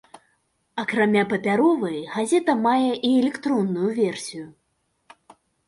Акрамя папяровай, газета мае і электронную версію.